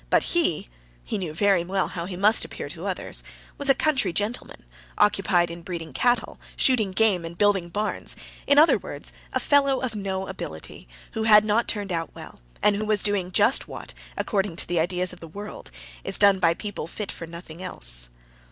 But he (he knew very well how he must appear to others) was a country gentleman, occupied in breeding cattle, shooting game, and building barns; in other words, a fellow of no ability, who had not turned out well, and who was doing just what, according to the ideas of the world, is done by people fit for nothing else.